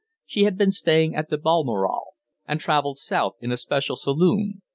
She had been staying at Balmoral, and travelled south in a special saloon.